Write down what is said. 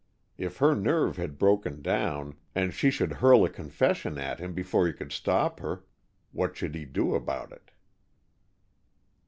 If her nerve had broken down, and she should hurl a confession at him before he could stop her, what should he do about it?